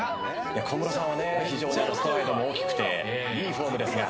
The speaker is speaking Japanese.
小室さんは非常にストライドも大きくていいフォームですね。